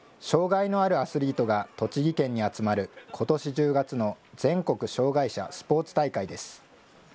障害のあるアスリートが栃木県に集まる、ことし１０月の全国障害者スポーツ大会です。